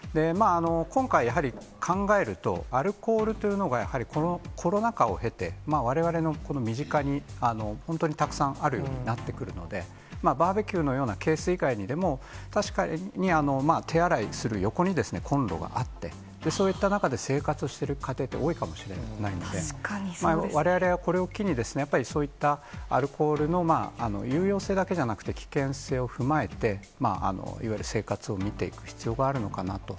今回、やはり考えると、アルコールというのが、やはりこのコロナ禍を経て、われわれの身近に本当にたくさんあるようになってくるので、バーベキューのようなケース以外にも、確かに手洗いする横にコンロがあって、そういった中で生活してる家庭って多いかもしれないので、われわれはこれを機にですね、やっぱりそういったアルコールの有用性だけじゃなくて、危険性を踏まえて、いわゆる生活を見ていく必要があるのかなと。